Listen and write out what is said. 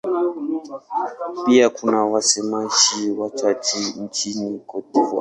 Pia kuna wasemaji wachache nchini Cote d'Ivoire.